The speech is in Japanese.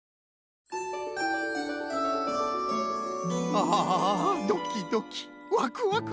ああドキドキワクワク。